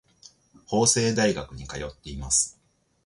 法政大学に通っています。